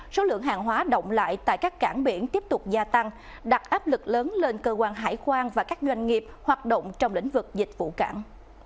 số lượng hàng hóa động lại tại các cảng biển tiếp tục gia tăng đặt áp lực lớn lên cơ quan hải quan và các doanh nghiệp hoạt động trong lĩnh vực dịch vụ cảng